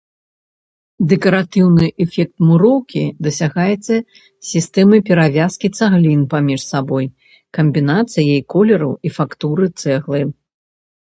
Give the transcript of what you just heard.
Дэкаратыўны эфект муроўкі дасягаецца сістэмай перавязкі цаглін паміж сабой, камбінацыяй колераў і фактуры цэглы.